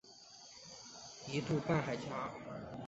一度半海峡。